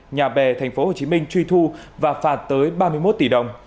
nhà bè tp hcm truy thu và phạt tới ba mươi một tỷ đồng